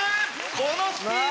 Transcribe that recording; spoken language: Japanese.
このスピード。